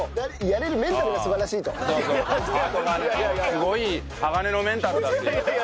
すごい鋼のメンタルだという。